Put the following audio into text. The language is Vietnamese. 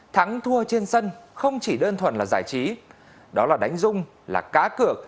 thắng thua trên sân không chỉ đơn thuần là giải trí đó là đánh rung là cá cược